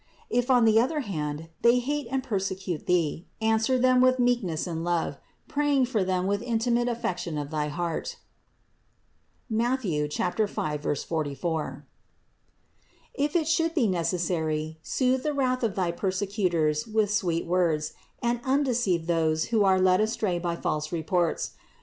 If on the other hand they hate and persecute thee, answer them with meekness and love, praying for them with intimate affection of thy heart (Matth. 5, 44). If it should be necessary, soothe the wrath of thy per secutors with sweet words, and undeceive those who are led astray by false reports.